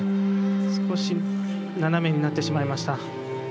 少し斜めになってしまいました。